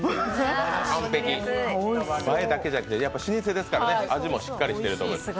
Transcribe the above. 完璧、映えだけじゃなくて老舗ですから味もしっかりしていると思います。